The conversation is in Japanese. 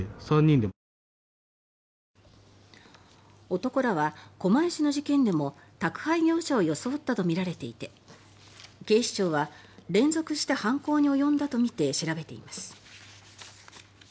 男らは、狛江市の事件でも宅配業者を装ったとみられていて警視庁は連続して犯行に及んだとみて調べています。